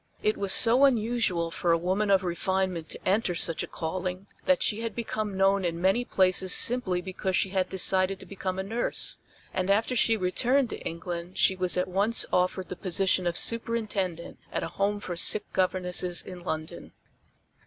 It was so unusual for a woman of refinement to enter such a calling that she had become known in many places simply because she had decided to become a nurse; and after she returned to England she was at once offered the position of Superintendent at a Home for Sick Governesses in London.